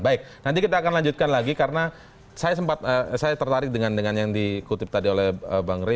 baik nanti kita akan lanjutkan lagi karena saya sempat saya tertarik dengan yang dikutip tadi oleh bang rey